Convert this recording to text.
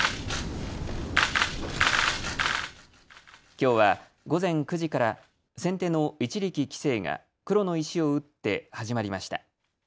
きょうは午前９時から先手の一力棋聖が黒の石を打って始まりました。